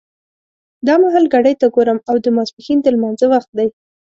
دا مهال ګړۍ ته ګورم او د ماسپښین د لمانځه وخت دی.